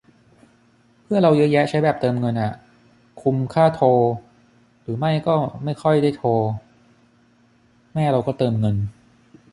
เพื่อนเราเยอะแยะใช้แบบเติมเงินอ่ะ คุมค่าโทร หรือไม่ก็ไม่ค่อยได้โทร แม่เราก็เติมเงิน